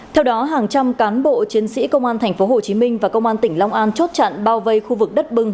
theo đó hàng trăm cán bộ chiến sĩ công an tp hcm và công an tỉnh long an chốt chặn bao vây khu vực đất bưng